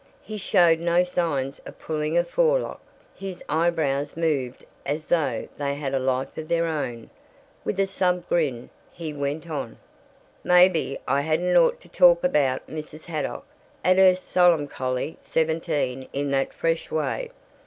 He showed no signs of pulling a forelock. His eyebrows moved as though they had a life of their own. With a subgrin he went on: "Maybe I hadn't ought to talk about Mrs. Haydock and her Solemcholy Seventeen in that fresh way.